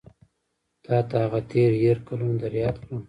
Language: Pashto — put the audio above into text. تا ته هغه تېر هېر کلونه در یاد کړم.